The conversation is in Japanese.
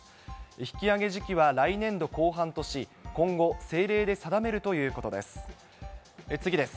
引き上げ時期は来年度後半とし、今後、政令で定めるということです。